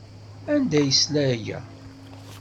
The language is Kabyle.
Anda ay yesla aya?